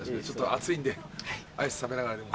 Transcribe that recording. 暑いんでアイス食べながらでも。